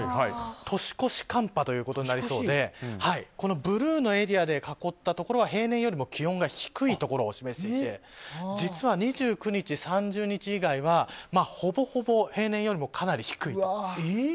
年越し寒波ということになりそうでブルーのエリアで囲ったところは平年よりも気温が低いところを示していて実は、２９日、３０日以外はほぼほぼ平年よりもかなり低い。